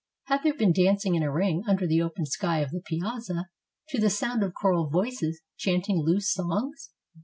Had there been dancing in a ring under the open sky of the piazza, to the sound of choral voices chanting loose songs?